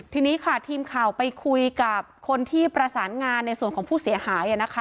ทีนี้ค่ะทีมข่าวไปคุยกับคนที่ประสานงานในส่วนของผู้เสียหายนะคะ